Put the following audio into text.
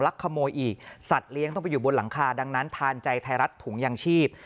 ขโมยอีกสัตว์เลี้ยงต้องไปอยู่บนหลังคาดังนั้นทานใจไทยรัฐถุงยางชีพ